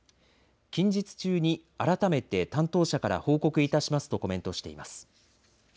近日中に改めて担当者から報告いたしますとコメントしています。